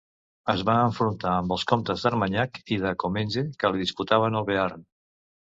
Es va enfrontar amb els comtes d'Armanyac i de Comenge que li disputaven el Bearn.